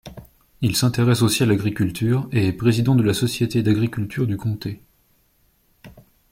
Il s'intéresse aussi à l'agriculture et est président de la société d'agriculture du comté.